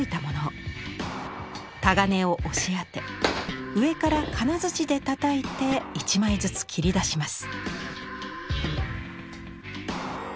鏨を押し当て上から金づちでたたいて１枚ずつ切り出します。